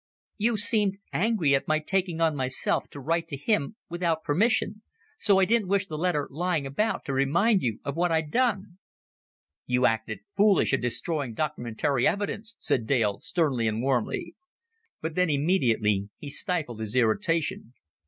"You seemed angry at my taking on myself to write to him without permission so I didn't wish the letter lying about to remind you of what I'd done." "You acted foolish in destroying document'ry evidence," said Dale, sternly and warmly. But then immediately he stifled his irritation.